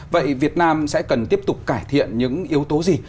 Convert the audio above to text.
vậy việt nam sẽ cần tiếp tục cải thiện những yếu tố gì